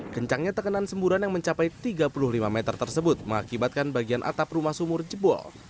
kencangnya tekanan semburan yang mencapai tiga puluh lima meter tersebut mengakibatkan bagian atap rumah sumur jebol